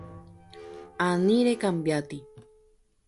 Ani recambiáti.